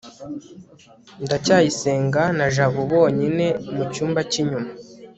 ndacyayisenga na jabo bonyine mu cyumba cy'inyuma